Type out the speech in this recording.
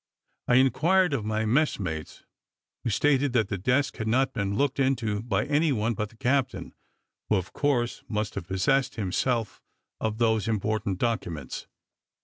I inquired of my messmates, who stated that the desk had not been looked into by any one but the captain, who, of course, must have possessed himself of those important documents.